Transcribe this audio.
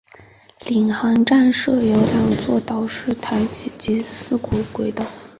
领航站设有两座岛式月台及四股轨道。